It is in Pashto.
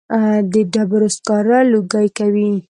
د ډبرو سکاره لوګی کوي